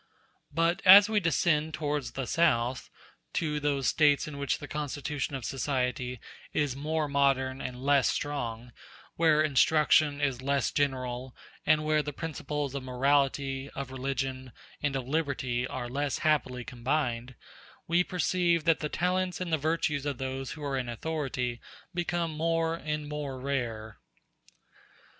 But as we descend towards the South, to those States in which the constitution of society is more modern and less strong, where instruction is less general, and where the principles of morality, of religion, and of liberty are less happily combined, we perceive that the talents and the virtues of those who are in authority become more and more rare.